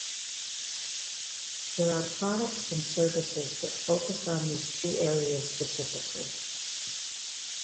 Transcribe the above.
There are products and services that focus on these two areas specifically.